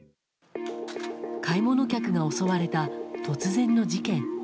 買い物客が襲われた突然の事件。